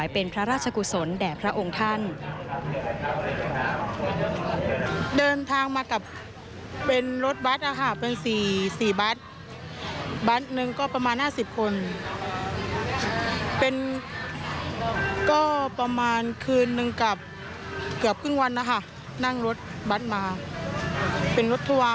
เป็นสี่สี่บัตรบัตรนึงก็ประมาณห้าสิบคน